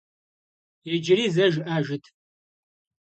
Yicıri ze jjı'ejjıt!